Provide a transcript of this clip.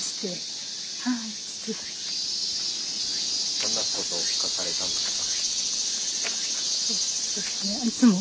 どんなことを書かれたんですか？